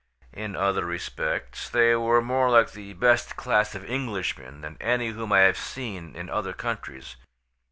In other respects they were more like the best class of Englishmen than any whom I have seen in other countries.